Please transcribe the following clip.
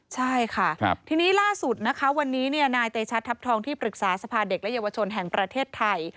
ใช่ค่ะทีนี้ล่าสุดนะคะวันนี้นายเตชะทัพทองที่ปรึกษาสภาเด็กและเยาวชนแห่งประเทศไทย